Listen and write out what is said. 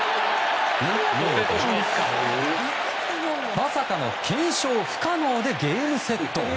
まさかの検証不可能でゲームセット。